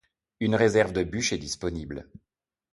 Une réserve de buches est disponible.